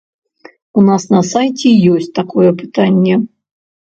У нас на сайце ёсць такое пытанне.